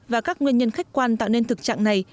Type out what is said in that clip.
và các nguyên nhân khách quan tạo nên thực trạng này